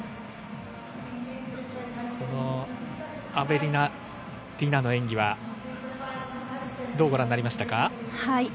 ディナ・アベリナの演技は、どうご覧になりましたか？